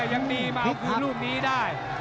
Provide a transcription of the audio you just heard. ยังดีมาเอาคืนลูกนี้ได้